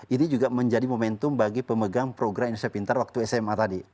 ini juga menjadi momentum bagi pemegang program indonesia pintar waktu sma tadi